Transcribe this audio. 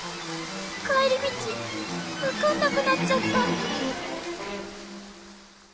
帰り道分かんなくなっちゃった。